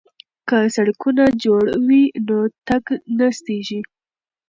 که سړکونه جوړ وي نو تګ نه ستیږي.